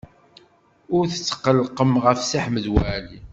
Ur tetqellqem ɣef Si Ḥmed Waɛli.